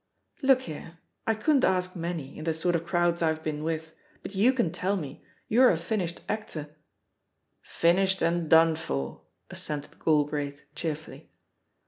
"Look here, I couldn't ask many, in the sort of crowds I've been with; but you can tell me, you're a finished actor ^" "Finished and done for," assented Galbraith cheerfully.